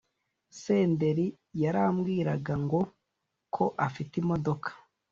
"Senderi yarambwiraga ngo ko afite imodoka